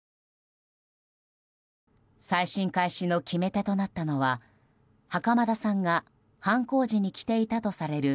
再審開始の決め手となったのは袴田さんが犯行時に着ていたとされる